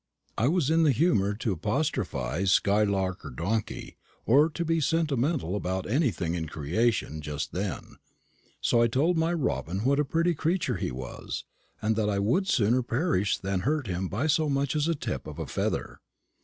I was in the humour to apostrophise skylark or donkey, or to be sentimental about anything in creation, just then; so I told my robin what a pretty creature he was, and that I would sooner perish than hurt him by so much as the tip of a feather.